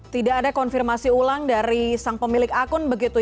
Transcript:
tidak ada konfirmasi ulang dari sang pemilik akun begitu